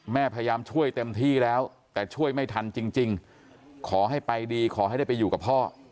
พยายามช่วยเต็มที่แล้วแต่ช่วยไม่ทันจริงขอให้ไปดีขอให้ได้ไปอยู่กับพ่อ